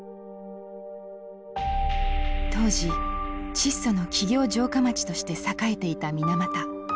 当時チッソの企業城下町として栄えていた水俣。